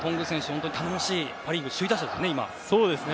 本当に頼もしいパ・リーグ首位打者ですよね。